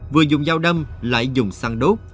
vừa dùng dao đâm lại dùng săn đốt